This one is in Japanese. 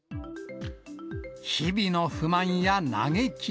日々の不満や嘆き。